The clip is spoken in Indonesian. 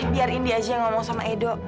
biar indi aja yang ngomong sama edo